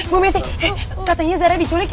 bu messi katanya zara diculik ya